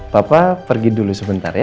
bapak pergi dulu sebentar ya